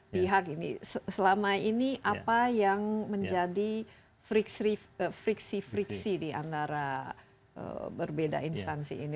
bihak ini selama ini apa yang menjadi friksi friksi di antara berbeda instansi ini